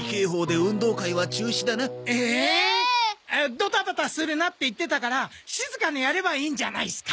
ドタバタするなって言ってたから静かにやればいいんじゃないっすか？